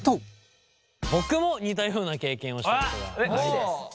僕も似たような経験をしたことがあります。